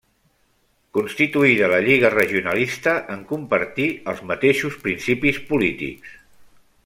Constituïda la Lliga Regionalista, en compartí els mateixos principis polítics.